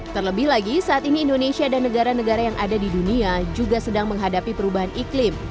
terlebih lagi saat ini indonesia dan negara negara yang ada di dunia juga sedang menghadapi perubahan iklim